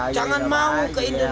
jangan mau ke indonesia